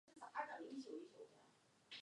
伯扎讷人口变化图示